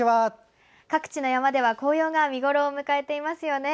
各地の山では紅葉が見頃を迎えていますよね。